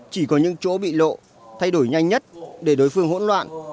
chỉ có những chỗ bị lộ thay đổi nhanh nhất để đối phương hỗn loạn